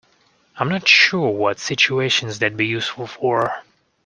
I'm not sure what situations they'd be useful for.